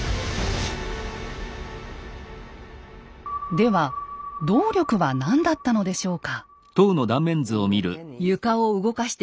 では動力は何だったのでしょうか？